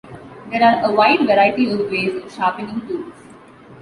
There are a wide variety of ways of sharpening tools.